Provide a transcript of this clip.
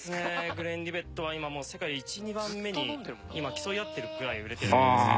グレンリベットは今もう世界で１２番目に今競い合ってるぐらい売れてるんですよね。